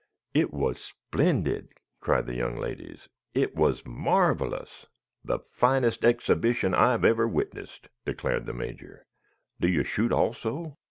"It was splendid!" cried the young ladies. "It was marvelous." "The finest exhibition I have ever witnessed," declared the Major. "Do you shoot also?"